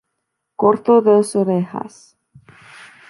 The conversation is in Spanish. Cortó dos orejas.